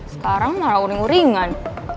sekarang marah uring uringan